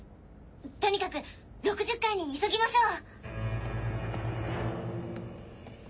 とにかく６０階に急ぎましょう。